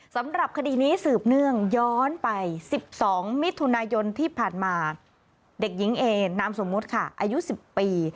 นำสมมติค่ะอายุ๑๐ปี